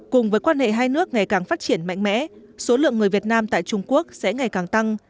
cùng với quan hệ hai nước ngày càng phát triển mạnh mẽ số lượng người việt nam tại trung quốc sẽ ngày càng tăng